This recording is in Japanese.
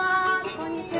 こんにちは。